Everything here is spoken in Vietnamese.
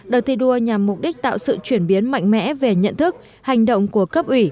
đợt thi đua nhằm mục đích tạo sự chuyển biến mạnh mẽ về nhận thức hành động của cấp ủy